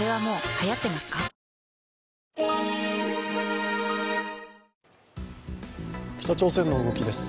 コリャ北朝鮮の動きです。